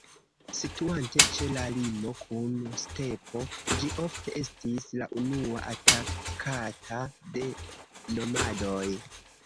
Situante ĉe la limo kun stepo, ĝi ofte estis la unua atakata de nomadoj.